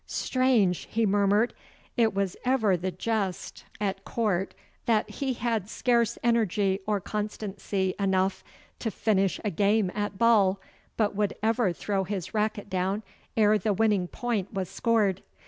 'Strange,' he murmured; 'it was ever the jest at court that he had scarce energy or constancy enough to finish a game at ball, but would ever throw his racquet down ere the winning point was scored.